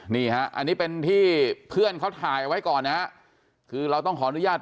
นี่ฮะอันนี้เป็นที่เพื่อนเขาถ่ายเอาไว้ก่อนนะฮะคือเราต้องขออนุญาต